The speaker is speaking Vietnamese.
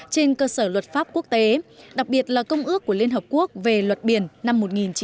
trên cơ sở luật pháp quốc tế đặc biệt là công ước của liên hợp quốc về luật biển năm một nghìn chín trăm tám mươi hai